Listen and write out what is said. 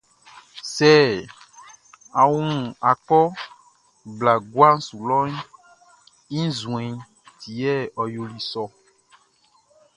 Sɛ a wun akɔ blaʼn guaʼn su lɔʼn, i nzuɛnʼn ti yɛ ɔ yoli sɔ ɔ.